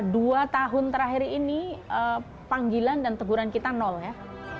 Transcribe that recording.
dua tahun terakhir ini panggilan dan teguran kita nol ya